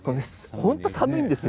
本当に寒いんですよ。